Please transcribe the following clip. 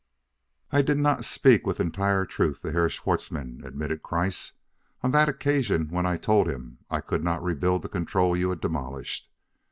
"I did not speak with entire truth to Herr Schwartzmann," admitted Kreiss, "on that occasion when I told him I could not rebuild the control you had demolished.